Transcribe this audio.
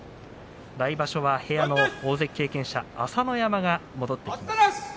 来場所は部屋の大関経験者朝乃山が戻ってきます。